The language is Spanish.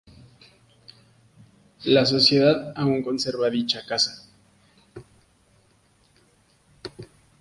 La sociedad aún conserva dicha casa.